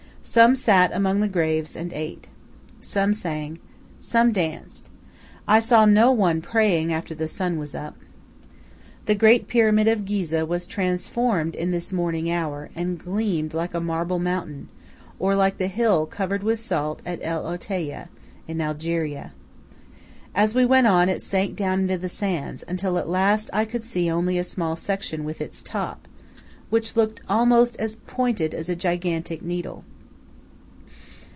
Some sat among the graves and ate. Some sang. Some danced. I saw no one praying, after the sun was up. The Great Pyramid of Ghizeh was transformed in this morning hour, and gleamed like a marble mountain, or like the hill covered with salt at El Outaya, in Algeria. As we went on it sank down into the sands, until at last I could see only a small section with its top, which looked almost as pointed as a gigantic needle.